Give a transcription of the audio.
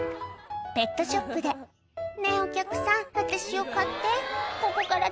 ペットショップで「ねぇお客さん私を買ってここから出して」